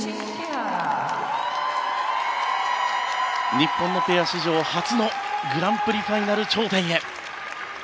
日本のペア史上初のグランプリファイナル頂点へ。